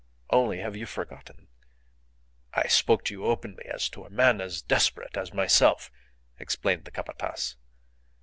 Only, have you forgotten " "I spoke to you openly as to a man as desperate as myself," explained the Capataz.